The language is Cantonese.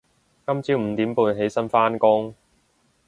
今朝五點半起身返工